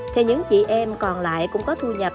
thì những chị em còn lại cũng có thu nhập